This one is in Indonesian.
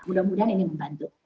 mudah mudahan ini membantu